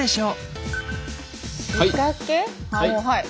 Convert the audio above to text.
はい！